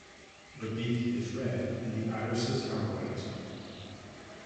The beak is red and the irises are white.